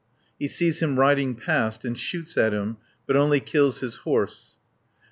He sees him riding past and shoots at him, but only kills his horse (79 182).